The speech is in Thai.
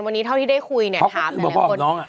วันนี้เท่าที่ได้คุยเนี้ยถามหลายหลายคนพ่อของน้องอ่ะ